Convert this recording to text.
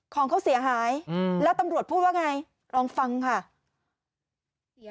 ของเขาเสียหายแล้วตำรวจพูดว่าไงลองฟังค่ะ